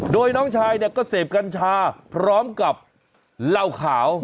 โดยน้องชายเนี่ยก็เสพกัญชาพร้อมกับเหล้าขาว